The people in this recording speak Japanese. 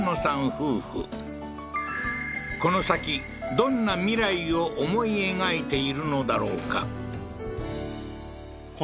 夫婦この先どんな未来を思い描いているのだろうか？